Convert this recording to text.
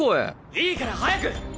いいから早く！！